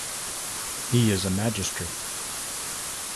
He is a magistrate.